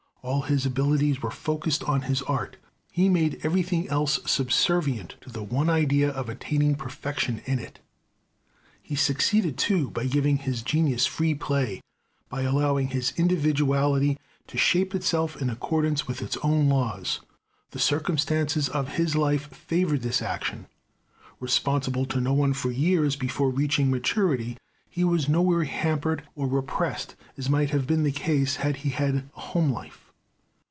All his abilities were focused on his art. He made everything else subservient to the one idea of attaining perfection in it. He succeeded too, by giving his genius free play, by allowing his individuality to shape itself in accordance with its own laws. The circumstances of his life favored this action. Responsible to no one for years before reaching maturity, he was nowhere hampered or repressed as might have been the case had he had a home life.